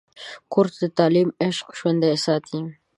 کورس د تعلیم عشق ژوندی ساتي.